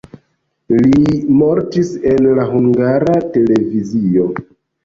Li mortis en la Hungara Televizio.